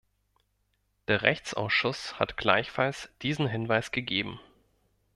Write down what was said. Der Rechtsausschuss hat gleichfalls diesen Hinweis gegeben.